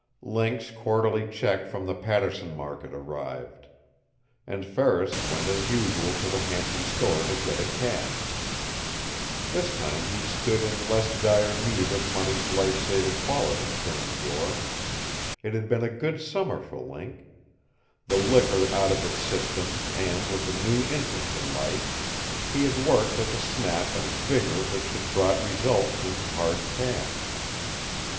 Link's quarterly check from the Paterson Market arrived. And Ferris went as usual to the Hampton store to get it cashed. This tine he stood in less dire need of money's life saving qualities than of yore. It had been a good summer for Link. The liquor out of his system and with a new interest in life, he had worked with a snap and vigor which had brought results in hard cash.